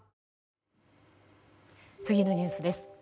次のニュースです。